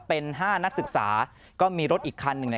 เป็น๕นักศึกษาก็มีรถอีกคันหนึ่ง